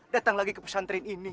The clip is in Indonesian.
datang lagi ke pesantren ini